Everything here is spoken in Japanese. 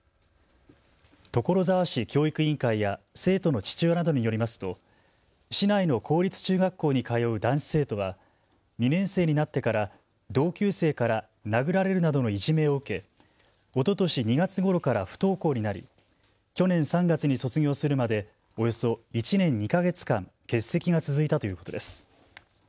所沢市教育委員会や生徒の父親などによりますと市内の公立中学校に通う男子生徒は２年生になってから同級生から殴られるなどのいじめを受け、おととし２月ごろから不登校になり去年３月に卒業するまでおよそ１年２か月間欠席が続いたということです。